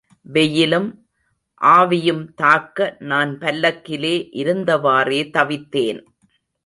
வெயிலும், ஆவியும் தாக்க நான் பல்லக்கிலே இருந்தவாறே தவித்தேன்.